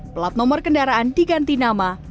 plat nomor kendaraan diganti nama